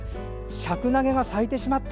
シャクナゲが咲いてしまった！